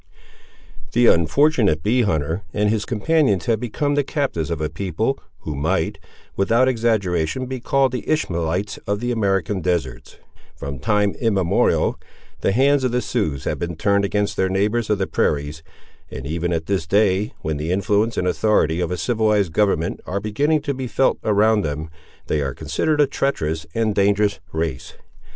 The unfortunate bee hunter and his companions had become the captives of a people, who might, without exaggeration, be called the Ishmaelites of the American deserts. From time immemorial, the hands of the Siouxes had been turned against their neighbours of the prairies, and even at this day, when the influence and authority of a civilised government are beginning to be felt around them, they are considered a treacherous and dangerous race.